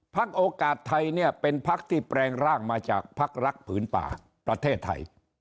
โอกาสไทยเนี่ยเป็นพักที่แปลงร่างมาจากพักรักผืนป่าประเทศไทย